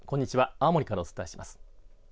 青森からお伝えします。